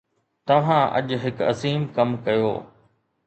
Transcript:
توهان اڄ هڪ عظيم ڪم ڪيو